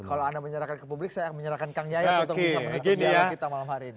kalau anda menyerahkan ke publik saya menyerahkan kang yaya untuk bisa menentukan kita malam hari ini